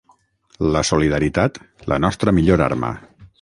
La solidaritat, la nostra millor arma.